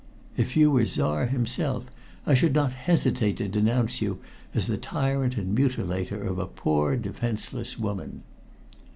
"If you were Czar himself, I should not hesitate to denounce you as the tyrant and mutilator of a poor defenseless woman."